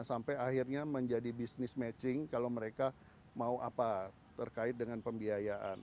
sampai akhirnya menjadi business matching kalau mereka mau apa terkait dengan pembiayaan